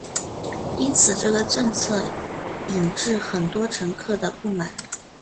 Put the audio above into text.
因此这个政策引致很多乘客的不满。